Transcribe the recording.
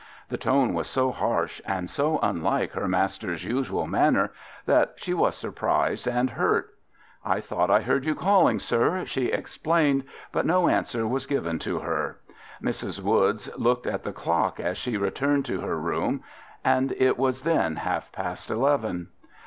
The tone was so harsh and so unlike her master's usual manner, that she was surprised and hurt. "I thought I heard you calling, sir," she explained, but no answer was given to her. Mrs. Woods looked at the clock as she returned to her room, and it was then half past eleven.